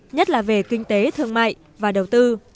nhất là về kinh tế thương mại và đầu tư